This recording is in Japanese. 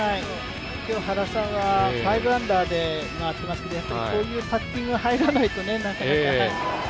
今日、原さんは５アンダーで回ってますけどこういうパッティングが入らないとなかなか。